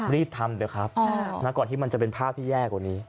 รีบทำเถอะครับก่อนที่มันจะเป็นภาพที่แย่กว่านี้